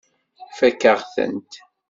Tfakk-aɣ-tent.